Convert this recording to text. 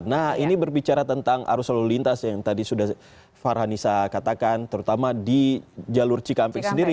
nah ini berbicara tentang arus lalu lintas yang tadi sudah farhanisa katakan terutama di jalur cikampek sendiri